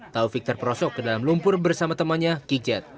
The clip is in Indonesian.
taufik terperosok ke dalam lumpur bersama temannya kijet